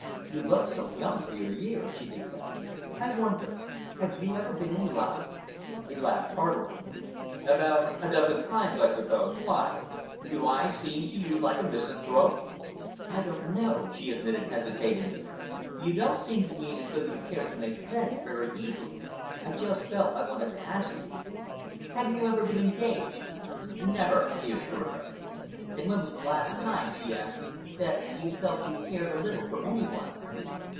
"You look so young for your years," she declared. "I wonder, have you ever been in love?" He laughed heartily. "About a dozen times, I suppose. Why? Do I seem to you like a misanthrope?" "I don't know," she admitted, hesitatingly. "You don't seem to me as though you cared to make friends very easily. I just felt I wanted to ask you. Have you ever been engaged?" "Never," he assured her. "And when was the last time," she asked, "that you felt you cared a little for any one?"